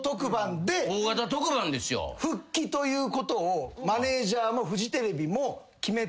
ということをマネジャーもフジテレビも決めてて。